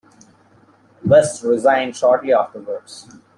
West resigned shortly afterwards.